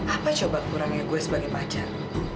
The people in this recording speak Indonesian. apa coba kurangnya gue sebagai pacar